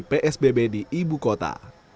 psbb di ibu kota